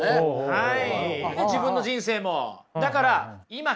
はい。